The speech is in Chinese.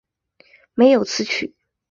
历代刊传的琴谱中还没有此曲。